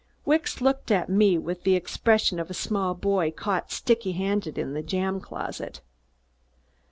Wicks looked at me with the expression of a small boy caught sticky handed in the jam closet.